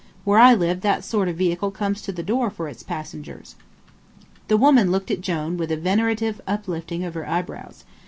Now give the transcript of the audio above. Where I live that sort of vehicle comes to the door for its passengers." The woman looked at Jone with a venerative uplifting of her eyebrows.